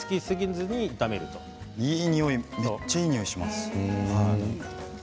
めっちゃいいにおいがします。